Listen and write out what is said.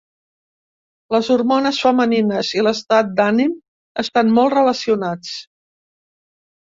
Les hormones femenines i l'estat d'ànim estan molt relacionats.